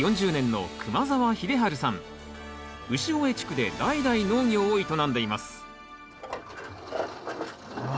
潮江地区で代々農業を営んでいますうわ。